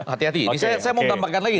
hati hati ini saya mau tambahkan lagi